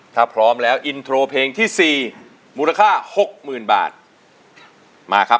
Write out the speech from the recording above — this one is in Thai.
ถ้าพร้อมแล้วอินโทรเพลงที่สี่มูลค่าหกหมื่นบาทมาครับ